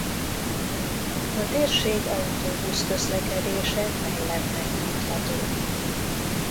A térség autóbusz-közlekedése fejlettnek mondható.